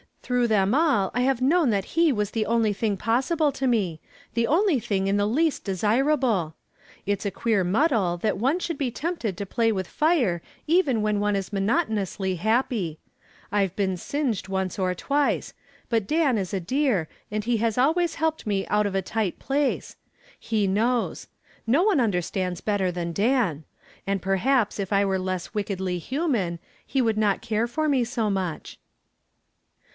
Through them all I have known that he was the only thing possible to me the only thing in the least desirable. It's a queer muddle that one should be tempted to play with fire even when one is monotonously happy. I've been singed once or twice. But Dan is a dear and he has always helped me out of a tight place. He knows. No one understands better than Dan. And perhaps if I were less wickedly human, he would not care for me so much."